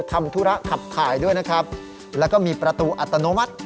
ทำธุระขับถ่ายด้วยนะครับแล้วก็มีประตูอัตโนมัติ